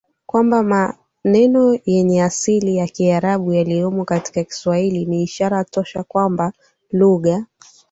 kwamba maneno yenye asili ya Kiarabu yaliyomo katika Kiswahili ni ishara tosha kwamba lugha